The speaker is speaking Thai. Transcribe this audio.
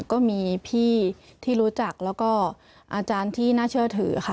ก็มีพี่ที่รู้จักแล้วก็อาจารย์ที่น่าเชื่อถือค่ะ